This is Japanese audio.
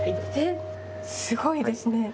すごいですね。